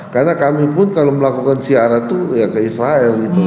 karena kami pun kalau melakukan siaran itu ya ke israel gitu